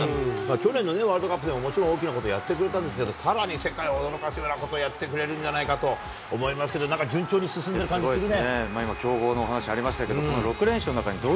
去年のワールドカップでももちろん大きなことやってくれたんですけれども、さらに世界を驚かすようなことをやってくれるんじゃないかと思いますけど、なんか順調に進んでいる感じするね。